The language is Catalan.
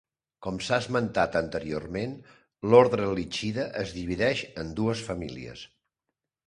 Com s'ha esmentat anteriorment, l'ordre Lichida es divideix en dues famílies.